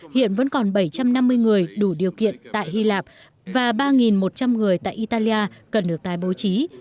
hiện vẫn còn bảy trăm năm mươi người đủ điều kiện tại hy lạp và ba một trăm linh người tại italia cần được tái bố trí